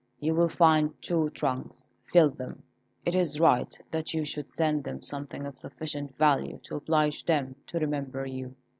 You will find two trunks; fill them. It is right that you should send them something of sufficient value to oblige them to remember you."